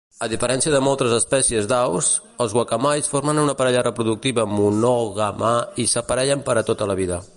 A diferència de moltes espècies d'aus, els guacamais formen una parella reproductiva monògama i s'aparellen per a tota la vida.